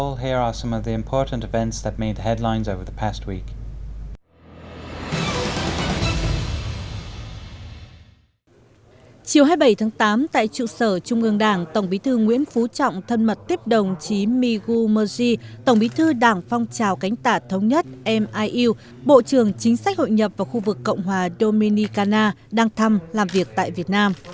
chiều hai mươi bảy tháng tám tại trụ sở trung ương đảng tổng bí thư nguyễn phú trọng thân mật tiếp đồng chí migu moji tổng bí thư đảng phong trào cánh tả thống nhất miu bộ trưởng chính sách hội nhập và khu vực cộng hòa dominicana đang thăm làm việc tại việt nam